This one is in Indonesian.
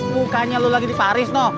mukanya lo lagi di paris no